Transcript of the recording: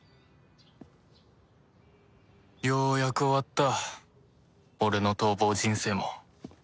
ようやく終わった俺の逃亡人生も